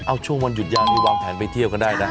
เอาช่วงวันหยุดยาวนี่วางแผนไปเที่ยวกันได้นะ